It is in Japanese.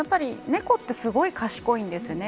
猫って、すごい賢いんですね。